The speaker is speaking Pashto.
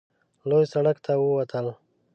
لوی سړک ته ووتل.